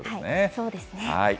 そうですね。